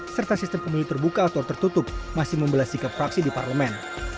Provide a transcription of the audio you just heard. serta sistem pemilu terbuka atau tertutup masih membelah sikap fraksi di parlemen